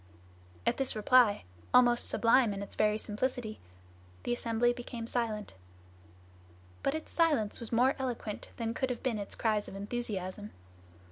At this reply, almost sublime in its very simplicity, the assembly became silent. But its silence was more eloquent than could have been its cries of enthusiasm.